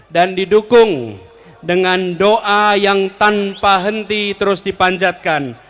dan didukung dengan doa yang tanpa henti terus dipanjatkan